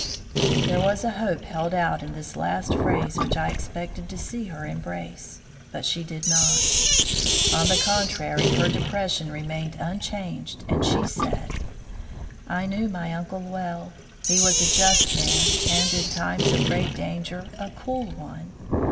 There was a hope held out in this last phrase which I expected to see her embrace. But she did not; on the contrary, her depression remained unchanged and she said: "I knew my uncle well. He was a just man, and, in times of great danger, a cool one.